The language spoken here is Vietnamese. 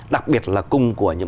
đặc biệt là cung của những